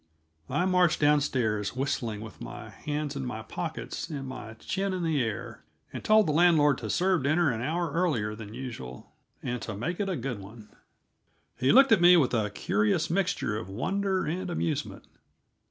I marched down stairs, whistling, with my hands in my pockets and my chin in the air, and told the landlord to serve dinner an hour earlier than usual, and to make it a good one. He looked at me with a curious mixture of wonder and amusement.